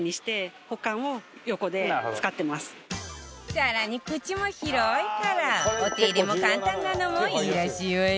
更に口も広いからお手入れも簡単なのもいいらしいわよ